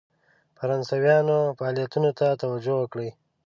فرانسویانو فعالیتونو ته توجه وکړي.